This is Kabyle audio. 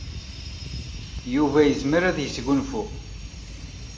Yuba yezmer ad yesgunfu.